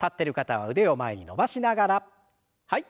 はい。